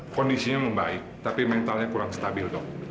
kondisinya membaik tapi mentalnya kurang stabil dong